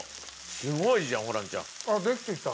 すごいじゃんホランちゃん。あっできてきた。